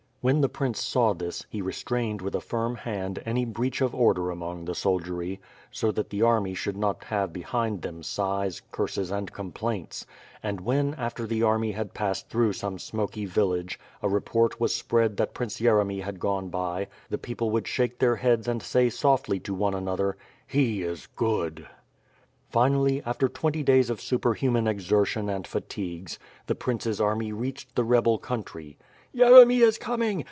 When the prinoe saw this, he restrained with a firm hand any breach of order among the soldiery, so that the army sliould not have behind them sighs, curses, and complaints; and when, after the army had passed through some smoky village, a report was spread that Prince Yeremy had gone by the people would shake their heads and say softly to one another: "He is good!" Finally, after twenty days of superhuman exertion and fatigues, the prince's army reached the rebel country. "Yeremy is coming!